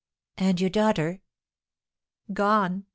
"And your daughter?" "Gone!"